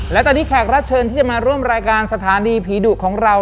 และตอนนี้แขกรับเชิญที่จะมาร่วมรายการสถานีผีดุของเรา